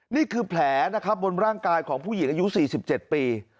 นี่คือแผลนะครับบนร่างกายของผู้หญิงอายุ๔๗ปี